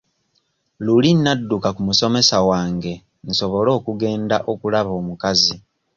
Luli nnadduka ku musomesa wange nsobole okugenda okulaba omukazi.